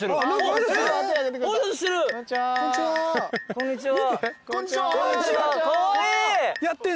こんにちは。